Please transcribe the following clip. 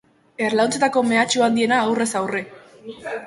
Erlauntzetako mehatxu handiena aurrez aurre.